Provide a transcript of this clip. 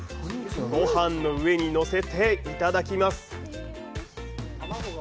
ごはんの上にのせていただきます。